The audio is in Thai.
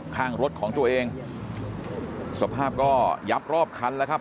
ข้างรถของตัวเองสภาพก็ยับรอบคันแล้วครับ